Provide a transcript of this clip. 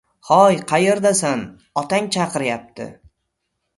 — hoy qayerdasan, otang chaqiryapti!